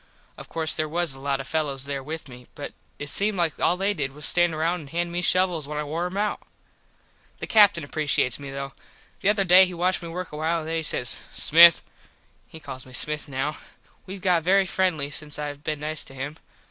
Of course there was a lot of fellos there with me but it seemed like all they did was to stand round and hand me shovels when I wore em out. The Captin appresheates me though. The other day he watched me work awhile and then he says "Smith." He calls me Smith now. We got very friendly since I been nice to him.